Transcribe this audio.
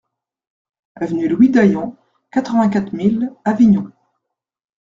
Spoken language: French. Avenue Louis Daillant, quatre-vingt-quatre mille Avignon